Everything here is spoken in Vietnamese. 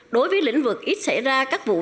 đối với lĩnh vực ít xảy ra các vụ